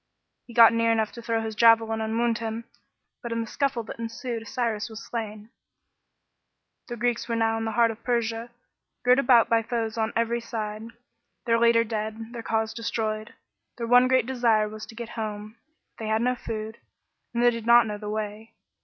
He got near enough to throw his javelin and wound him, but in the scuffle that ensued Cyrus was slain. The Greeks were now in the heart of Persia, girt about by foes on every side their leader dead, their cause destroyed. Their one great desire was to get home. But they had no food, and they did not know the way.